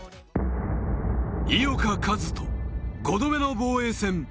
井岡一翔、５度目の防衛戦。